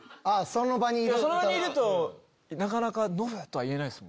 その場にいるとなかなか「ノブ」とは言えないですもんね。